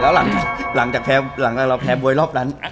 อ๋อหลังแต่เราแพ้บ๊วยรอบนั้น